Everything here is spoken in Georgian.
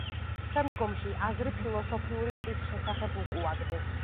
შემდგომში აზრი ფილოსოფიური ქვის შესახებ უკუაგდეს.